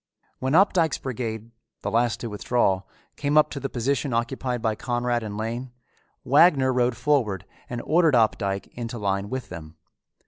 When Opdycke's brigade, the last to withdraw, came up to the position occupied by Conrad and Lane, Wagner rode forward and ordered Opdycke into line with them.